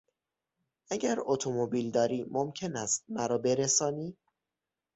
اگر اتومبیل داری ممکن است مرا برسانی؟